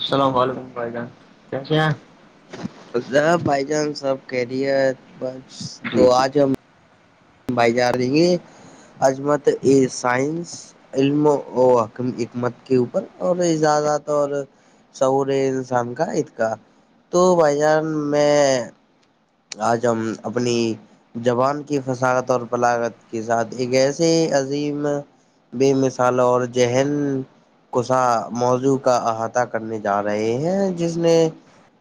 السلام علیکم بھائی جان کیسے ہیں اسلام بھائی جان سب کہریت بس تو آج ہم بھائی جا رہی ہے یہ عظمت اے سائنس علم و حکمت کے اوپر اور ایجادات اور شعور اے انسان کا اید کا تو بھائی جان میں آج ہم اپنی زبان کی فساعت اور پلاغت کے ساتھ ایک ایسے عظیم بے مثال اور ذہن کوسا موضوع کا احاطہ کرنے جا رہے ہیں جس نے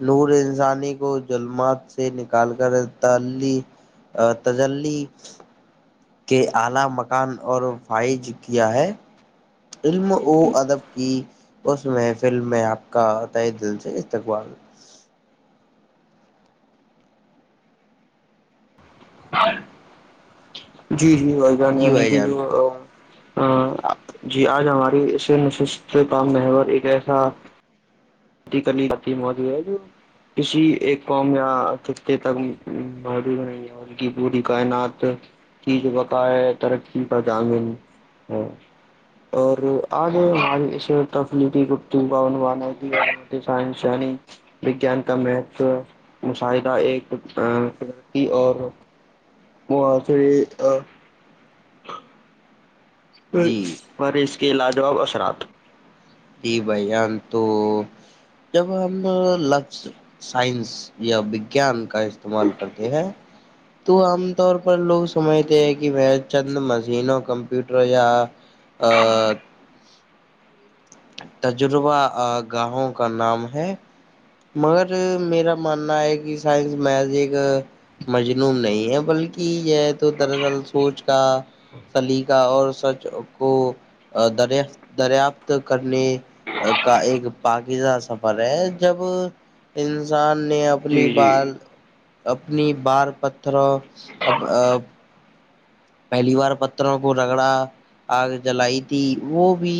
نورے انسانی کو جلمات سے نک کال کر تلی ا تجلی کے اعلی مکان اور فائج کیا ہے علم و ادب کی اس محفل میں آپ کا تہے دل سے استقبال جی جی بھائی جان جی بھائی جان [unintelligible] ہاں جی آج ہماری [unintelligible] کا محور ایک ایسا کتی کرنی آپکی موج ہوجاےگی کسی ایک قوم یا خطے تک موجود نہیں ہو انکی پوری کائنات چیز بقائے ترقی کا دامن ہو اور آگے ہماری تفلی کی گفتگو کا عنوان ہے [unintelligible] پہ وگیان کم ہے تو مشاہدہ ایک ا ترقی اور وہ تھری ا جی پر اس کے لاجواب اثرات جی بھائی جان تو جب ہم لفظ سائنس یا وگیان کا استعمال کرتے ہیں تو عام طور پر لوگ سمجھتے ہیں کہ میں چند مشینوں کمپیوٹر یا آ تجربہ گاہوں کا نام ہے مگر میرا ماننا ہے کہ سائنس محض ایک مظلوم نہیں ہے بلکہ یہ تو دراصل سوچ کا سلیقہ اور سچ کو دری دریافت کرنے کا ایک پاکیزہ سفر ہے جب انسان نے جی اپنی جی بال اپنی بار پتھروں اب ا پہلی بار پتھروں کو رگڑا آگ جلائی تھی وہ بھی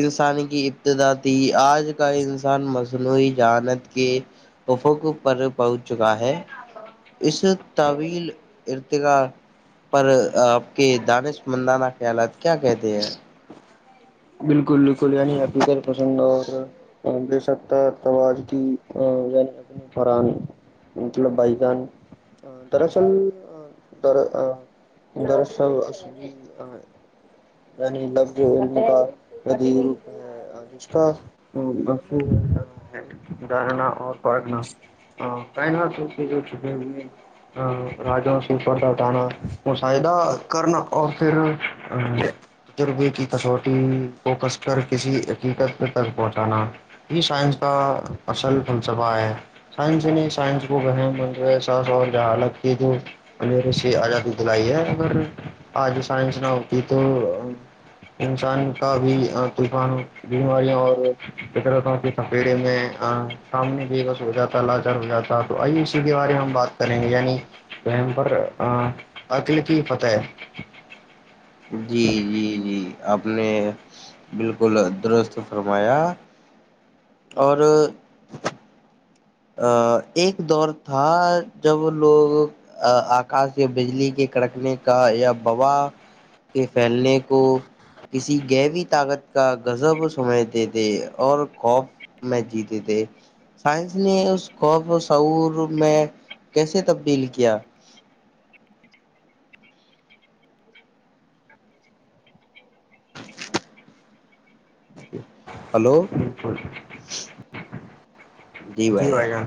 انسان کی ابتدا تھی آج کا انسان مصنوعی ذہانت کے وفوقوں پر پہنچ چکا ہے اس طویل ارتقا پر آپ کے دانشمندانہ خیالات کیا کہتے ہیں بالکل بالکل یعنی حقیقت پسند اور بے سکتا تو آج کی یعنی اپنی پرانی مطلب بھائی جان ا دراصل ا در ا دراصل اے یعنے لبظ جو انکا کا کبھی اچھا بس نیٹ ڈالنا اور پڑھنا ہاں ہے نا سب [unintelligible] ہوئے راجہ سوپردا ٹانا مشاہدہ کرنا اور پھر تجربے کی کسوٹی کو کس کر کسی حقیقت تک پہنچانا یہ سائنس کا اصل فلسفہ ہے سائنس نہیں سائنس کو جو ہے احساس اور جہالت کی تو میرے سے آزادی دلائی ہے مگر آج سائنس نہ ہوتی تو انسان کا بھی ابھیمان بیماریوں اور فدرتوں کی تھپیڑے میں سامنے بھی بس ہو جاتا لاچار ہو جاتا تو آیے اسی کے بارے میں ہم بات کریں گے یعنی ٹائم پر ا اگلے کی فتح جی جی جی اپ نے بالکل درست فرمایا اور ا ایک دور تھا جب لوگ ا آکاش کے بجلی کے کڑکنے کا یا وبا کے پھیلنے کو کسی گہری طاقت کا غزاب سنائی دے دے اور خوف میں جیتے تھے سائنس اس نے اس خوف کو شعور میں کیسے تبدیل کیا ہلو بالکل جی بھائی جان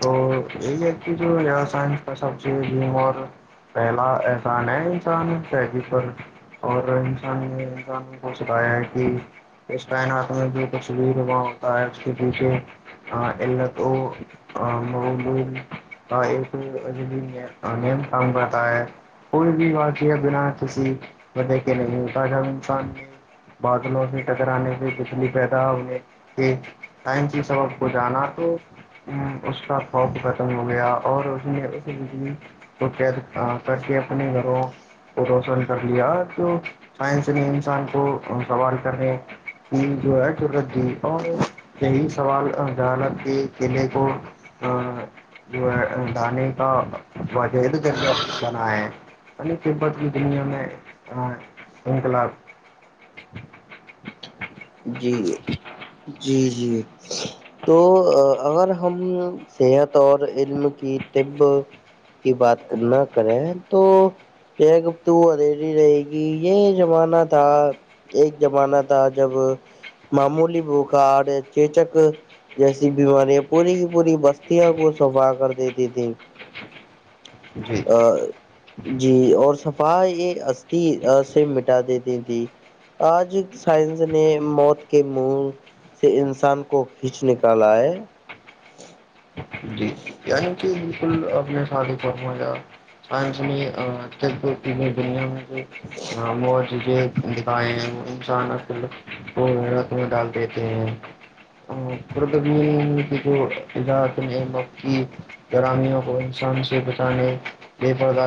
تو یہی ہے کے جو یہ سائنس کا سبجیکٹ یہ اور پہلا احسان ہے انسانی فیدی پر اور انسان نے انسان کو سکھایا ہے کہ اس کائنات میں جو کچھ بھی ہوا ہوتا ہے اس کے پیچھے آ علم ہے تو کانوں [unintelligible] کوئی بھی واقعہ بنا کسی وجہ کے نہیں پر ہم انسان نے بادلوں سے ٹکرانے سے بجلی پیدا ہونے ایک ٹائم کی سبب کو جانا تو ام اس [unintelligible] خوف ختم ہو گیا اور اس نے ایسی بجلی تو کید ا کرکے کے اپنے گھروں کو روشن کر لیا تو سائنس نے انسان کو سوال کرنے کی جو ہے ضرورت دی اور یہی سوال اب جہانت کے قیلہ کو ا جو دانے کا وجہ بنا ہے ا قبت کی دنیا میں ا انکلاب جی جی جی تو اگر ہم صحت اور علم کی طب کی بات کر نہ کریں تو یہ گفتگو ادھیری رہے گی یہ زمانہ تھا ایک زمانہ تھا جب معمولی بخار چیچک جیسی بیماریاں پوری کی پوری بستیاں کو سفا کر دیتی تھی جی ا جی اور صفائی یہ استھی سے مٹا دیتی تھی آج سائنس نے موت کے مو سے انسان کو کھینچ نکالا ہے جی ہاں جی بالکل اپ نے شادی فرمایا پنچمی ٹیک بکتی کی دنیا میں جو معجزے دکھائے ہیں انسان اب رت میں ڈال دیتے ہیں [unintelligible] گرامیوں کو انسان سے بچانے بے پردہ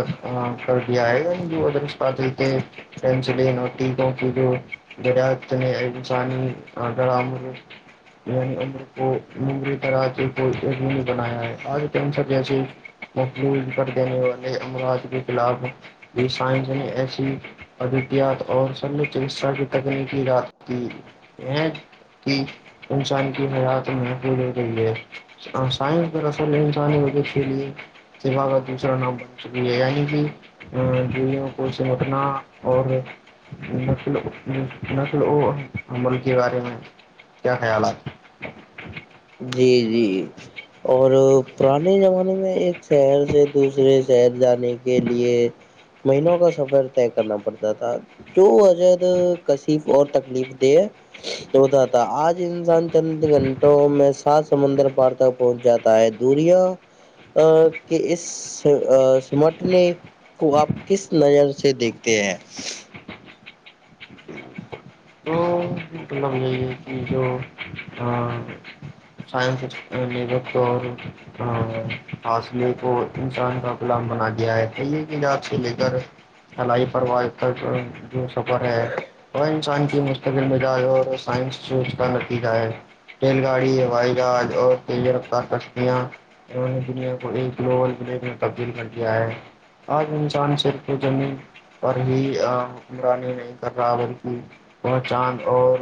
کر دیا ہے گلبوروس پاٹل کے [unintelligible] [inaudible] یعنی ان کو [unintelligible] بنایا ہے آج جسے محبول کر دینے والے امراض کے خلاف یہ سائنس نے ایسی ادیٹیات اور سبمٹ انسٹرکٹ تکنیکی رات کی یہ کہ انسان کی حیات محفوظ ہو گئی ہے ہ سائنس دراصل انسانی مدد کے لیے سیوا کا دوسرا نام بن چکی ہے یعنی کہ ا دیویوں کو سمٹنا اور نسل نسل ا ملک کے بارے میں کیا خیالات جی جی اور پرانے زمانے میں ایک شہر سے دوسرے شہر جانے کے لیے مہینوں کا سفر طے کرنا پڑتا تھا جو عجد کشف اور تکلیف دے ہوتا تھا آج انسان چند گھنٹوں میں سات سمندر پار تک پہنچ جاتا ہے دوریا ا کے اس سمٹ نے کو آپ کس نظر سے دیکھتے ہیں تو مطلب یہی ہے کہ جو آ سائنس [unintelligible] ا فاصلے کو انسان کا غلام بنا دیا ہے کہیے کی یہ اپ سے لے کر فلائی پرواز تک کا جو سفر ہے وہ انسان کی مستقبل میں پیار اور سائنس چیز کا نتیجہ ہے ریل گاڑی وائی گاٹ اور تیز رفتار کشتیاں انہوں نے دنیا کو ایک لوول ضلع میں تبدیل کر دیا ہے آج انسان صرف زمین پر بھی ا حکمرانی نہیں کر رہا بلکہ وہاں چاند اور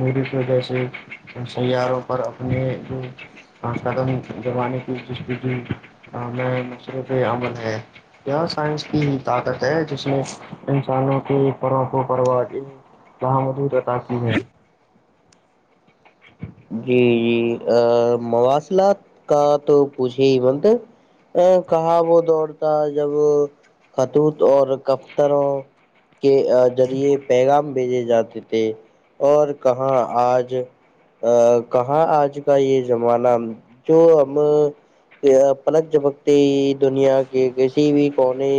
مڈاس کو جیسے سیاروں پر اپنے جو قدم دمانے کی دستگی میں مشرے پہ عمل ہے کیا سائنس کی ہی طاقت ہے جس میں انسانوں کے پرو و پرواہ وہاں حدود عطا کی ہے جی جی آ مواصلات کا تو پوچھے ہی مند ا کہاں وہ دور تھا جب خطوط اور دفتروں کے ذریعے پیغام بھیجے جاتے تھے اور کہاں آج ا کہاں آج کا یہ زمانہ جو ہم جھا پلک جھپکتے ہی دنیا کے کسی بھی کونے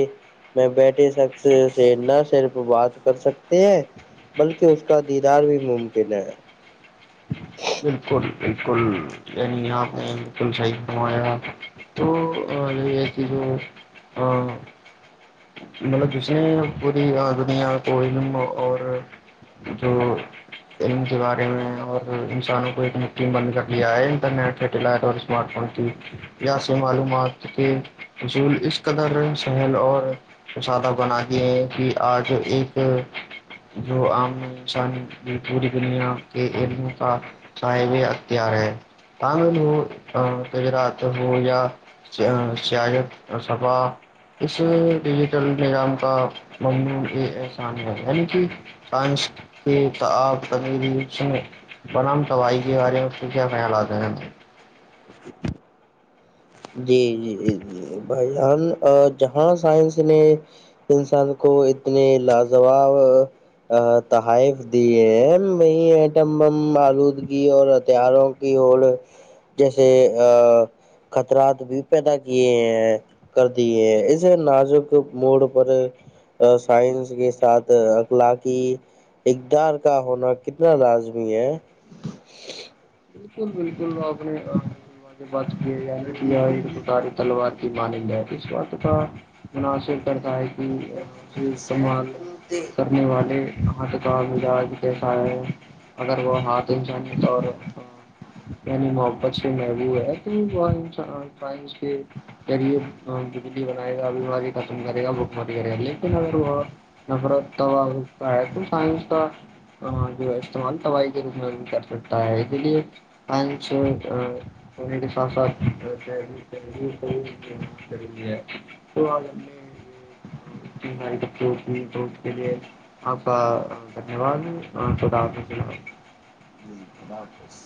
میں بیٹھے شخص سے نہ صرف بات کر سکتے ہیں بلکہ اس کا دیدار بھی ممکن ہے بالکل بالکل یعنی آپ نے بالکل صحیح فرمایا تو یہ ا مطلب جسے پوری آدمیاں کو علم اور جو علم کے بارے میں اور سانوں کو ایک مٹھی میں بند کر لیا ہے انٹرنیٹ سٹیلائٹ اور اسمارٹ فون کی یہاں سے معلومات کیونکہ اسول اس قدر سہل اور تو سادہ بنا کے ہیں کہ آج ایک جو عام انسانی پوری دنیا کے علموں کا صحب اختیار ہے تمل ہو گجرات ہو یا ا چیلنج اور صبا اس ڈیجیٹل نظام کا ممنون یہ احسان ہے یعنی کہ پنچ کے آپ تمیری ایچ میں پرم توائی کے بارے میں آپ کے کیا خیالات ہے؟ جی جی جی بھائی جان جہاں سائنس نے انسان کو اتنے لاجواب تحائف دیے ہیں وہی ایٹم بم آلودگی اور ہتھیاروں کی وہ لوگ جیسے ا اتراد بھی پیدا کیے ہیں کر دیے ہیں اس نازک موڑ پر سائنس کے ساتھ اخلاقی اقدار کا ہونا کتنا لازمی ہے بالکل بالکل آپ نے بالکل واقعی بات کی ہے یا نہیں کیااری تلوار کی مانی جات اس بات کا مناصر کرتا ہے بھی استعمال کر نے والے ہاتھ کا مجاج کیسا ہے اگر وہ ہاتھ انسانی طور یعنی محبت سے محبوب ہے [unintelligible] کرپ بائے گا ختم کرے گا بک مت کرے گا لیکن اگر وہ نفرت تو ہے سائنس تھا ہاں استعمال تباہی کے روپ میں بھی کر سکتا ہے [unintelligible] ہونے کے ساتھ ساتھی ہے [inaudible] تو آج ہم نے [inaudible] باری بے ہوتی تو اس کے لیے آپ کا دھنیہ وادا [unintelligible] اللہ حافظ